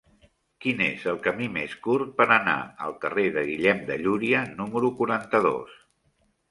Quin és el camí més curt per anar al carrer de Guillem de Llúria número quaranta-dos?